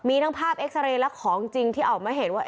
มีทั้งภาพเอ็กซาเรย์และของจริงที่ออกมาเห็นว่า